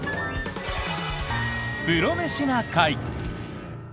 「プロメシな会」。